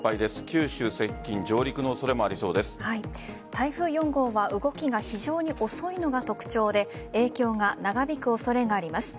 九州、接近台風４号は動きが非常に遅いのが特徴で影響が長引く恐れがあります。